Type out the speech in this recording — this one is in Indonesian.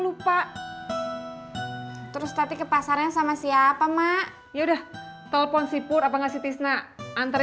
lupa terus tadi ke pasarnya sama siapa mak ya udah telepon sipur apa enggak si tisna antre